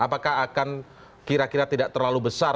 apakah akan kira kira tidak terlalu besar